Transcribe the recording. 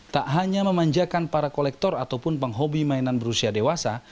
tak hanya memanjakan para kolektor ataupun penghobi mainan berusia dewasa